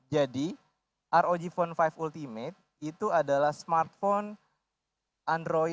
jadi rog phone lima ultimate itu adalah smartphone android